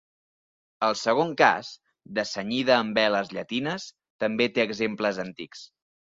El segon cas, de cenyida amb veles llatines, també té exemples antics.